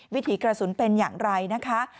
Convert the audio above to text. วิถีกระสุนเป็นอย่างไรนะคะ